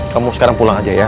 kamu sekarang pulang aja ya